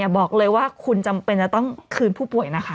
บอกเลยว่าคุณจำเป็นจะต้องคืนผู้ป่วยนะคะ